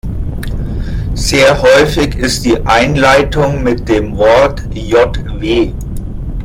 Sehr häufig ist die Einleitung mit dem Wort "jw".